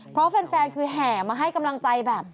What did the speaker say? เพราะแฟนคือแห่มาให้กำลังใจแบบ